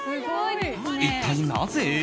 一体なぜ？